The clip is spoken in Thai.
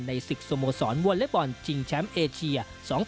ในศึกสโมสรวอลเล็บออนจิงแชมป์เอเชีย๒๐๑๖